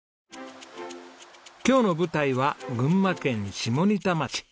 今日の舞台は群馬県下仁田町。